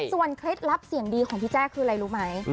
เคล็ดลับเสียงดีของพี่แจ้คืออะไรรู้ไหม